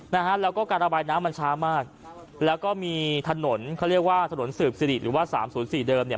นะฮะแล้วก็การระบายน้ำมันช้ามากแล้วก็มีถนนเขาเรียกว่าถนนสืบสิริหรือว่าสามศูนย์สี่เดิมเนี่ย